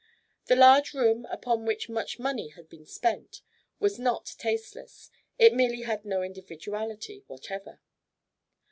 The large room, upon which much money had been spent, was not tasteless; it merely had no individuality whatever.